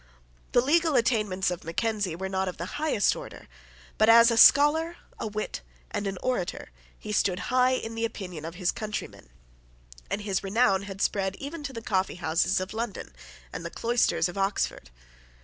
The legal attainments of Mackenzie were not of the highest order: but, as a scholar, a wit, and an orator, he stood high in the opinion of his countrymen; and his renown had spread even to the coffeehouses of London and the cloisters of Oxford.